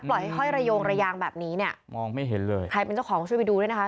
ห้อยระโยงระยางแบบนี้เนี่ยมองไม่เห็นเลยใครเป็นเจ้าของช่วยไปดูด้วยนะคะ